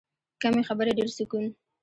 کمې خبرې، ډېر سکون.